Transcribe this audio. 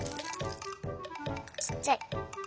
ちっちゃい。